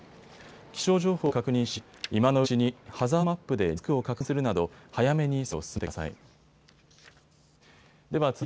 気象情報を確認し今のうちにハザードマップでリスクを確認するなど早めに備えを進めてください。